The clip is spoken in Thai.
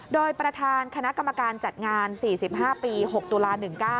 โดยประธานคณะกรรมการจัดงาน๔๕ปี๖ตุลา๑๙